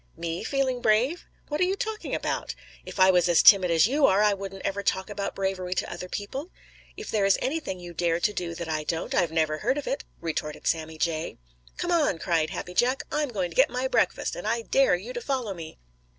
"Me feeling brave? What are you talking about? If I was as timid as you are, I wouldn't ever talk about bravery to other people. If there is anything you dare to do that I don't, I've never heard of it," retorted Sammy Jay. "Come on!" cried Happy Jack. "I'm going to get my breakfast, and I dare you to follow me!"